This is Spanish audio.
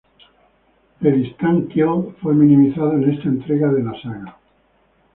El Instant Kill fue minimizado en esta entrega de la saga.